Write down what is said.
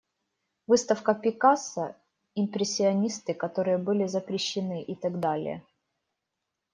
Выставка Пикассо, импрессионисты которые были запрещены, и так далее.